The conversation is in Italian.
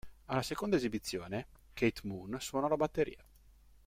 Alla seconda esibizione, Keith Moon suonò la batteria.